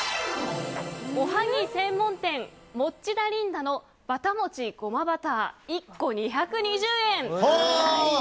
おはぎ専門店モッチダリンダのバタ餅胡麻バター１個２２０円。